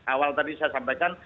awal tadi saya sampaikan